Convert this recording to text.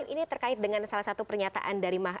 ini terkait dengan salah satu pernyataan dari mahasiswa